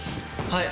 はい。